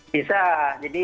bisa jadi mungkin